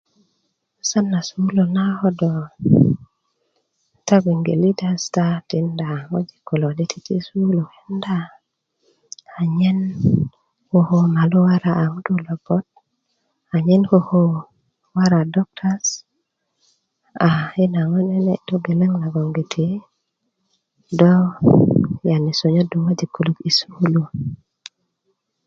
'busan na sukulu na ko do ta gbeɲge lidasi ta tinda ŋojik kulo ti sukulu kenda a anyen ko ko malu wora a ŋutu' lobut anyen koko wora dogtasi a yi na ŋo nene togeleŋ nagon giti do yani sonyondu ŋojik kulök yi sukulu